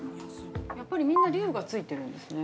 ◆やっぱり、みんな「龍」がついてるんですね。